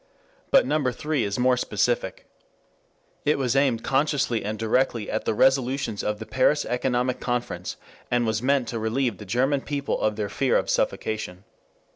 But number three is more specific. It was aimed consciously and directly at the resolutions of the Paris Economic Conference, and was meant to relieve the German people of their fear of suffocation.